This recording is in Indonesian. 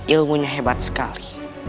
ilmunya hebat sekali